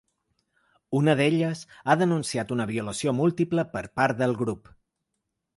Una d’elles ha denunciat una violació múltiple per part del grup.